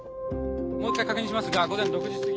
もう一回確認しますが午前６時すぎ。